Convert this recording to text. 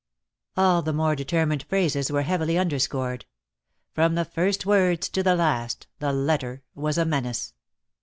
All the more determined phrases were heavily underscored. From the first words to the last the letter was a menace.